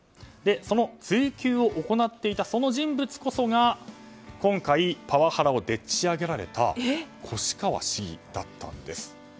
その追及を行っていた人物こそが今回パワハラをでっち上げられた越川市議だったんです。